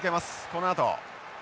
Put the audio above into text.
このあと。